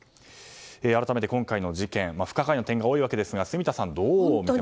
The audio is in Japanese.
改めて今回の事件不可解な点が多いわけですが住田さん、どう見ますか。